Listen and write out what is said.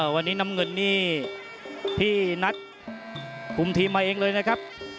วันนี้น้ำเงินนี่พี่นัดคุมทีมมาเองเลยนะครับ